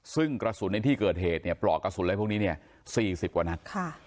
ซึ่งกระสุนในที่เกิดเหตุเนี่ยปลอกกระสุนอะไรพวกนี้เนี่ย๔๐กว่านัด